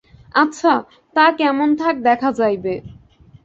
আচ্ছা, তা কেমন থাক দেখা যাইবে।